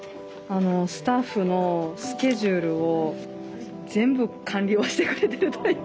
スタッフのスケジュールを全部管理をしてくれてるという。